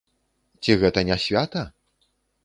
Ці гэта не свята?